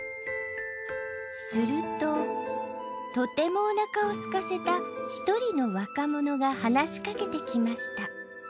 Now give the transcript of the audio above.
するととてもおなかをすかせた一人の若者が話しかけてきました